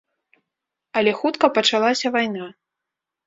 Але хутка пачалася вайна.